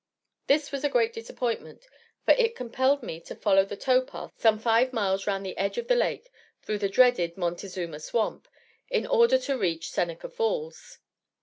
This was a great disappointment, for it compelled me to follow the tow path some five miles round the edge of the lake through the dreaded Montezuma Swamp, in order to reach Seneca Falls.